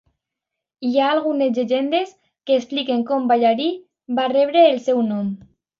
Hi han algunes llegendes que expliquen com Ballari va rebre el seu nom.